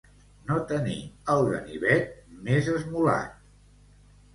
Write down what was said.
No tenir el ganivet més esmolat.